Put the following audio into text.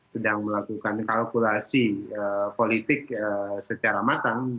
sedang melakukan kalkulasi politik secara matang